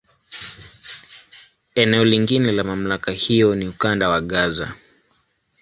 Eneo lingine la MamlakA hiyo ni Ukanda wa Gaza.